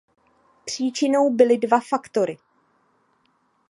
Příčinou byly dva faktory.